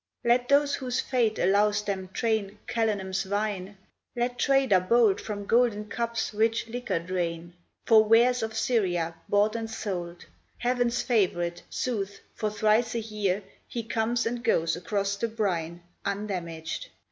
Let those whose fate allows them train Calenum's vine; let trader bold From golden cups rich liquor drain For wares of Syria bought and sold, Heaven's favourite, sooth, for thrice a year He comes and goes across the brine Undamaged.